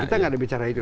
kita gak ada bicara itu